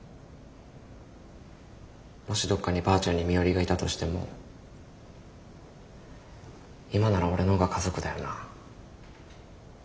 もしどっかにばあちゃんに身寄りがいたとしても今なら俺の方が家族だよな。